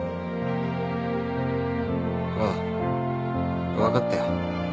ああ分かったよ。